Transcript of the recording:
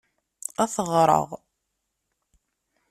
Ad t-ɣṛeɣ.